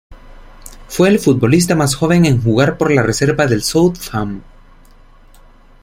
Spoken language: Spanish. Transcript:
Fue el futbolista más joven en jugar por la reserva del Southampton.